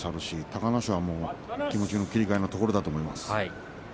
隆の勝の気持ちの切り替えのところだと思います。